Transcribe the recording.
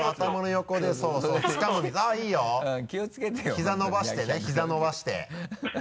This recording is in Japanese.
膝のばしてね膝のばして。